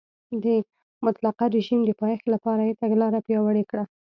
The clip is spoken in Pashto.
د مطلقه رژیم د پایښت لپاره یې تګلاره پیاوړې کړه.